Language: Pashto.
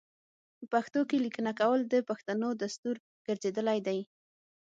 په پښتو کې لیکنه کول د پښتنو دستور ګرځیدلی دی.